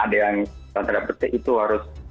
ada yang ternyata berarti itu harus